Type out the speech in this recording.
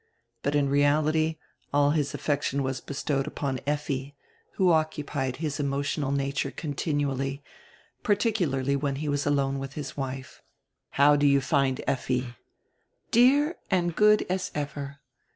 But in reality all his affection was bestowed upon Effi, who occupied his emotional nature continually, particularly when he was alone with his wife. "How do you find Effi?" "Dear and good as ever.